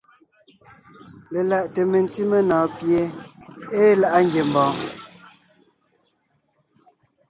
Lelaʼte mentí menɔ̀ɔn pie ée láʼa ngiembɔɔn.